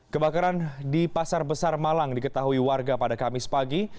kebakaran di pasar besar malang diketahui warga pada kamis pagi